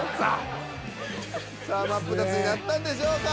さあマップタツになったんでしょうか？